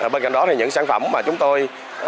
bên cạnh đó những sản phẩm mà chúng tôi